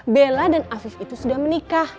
bella dan afif itu sudah menikah